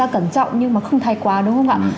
chúng ta cẩn trọng nhưng mà không thay quá đúng không ạ